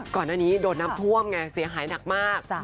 ก่อนอันนี้โดดน้ำคว่มไงเสียหายหนักมาก